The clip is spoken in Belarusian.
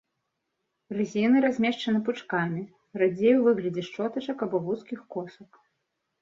Рызіны размешчаны пучкамі, радзей у выглядзе шчотачак або вузкіх косак.